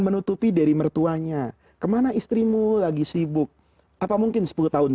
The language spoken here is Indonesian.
menutupi dari mertuanya kemana istrimu lagi sibuk apa mungkin sepuluh tahun